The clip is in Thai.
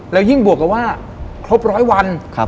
แล้วยิ่งบวกกับว่าครบร้อยวัน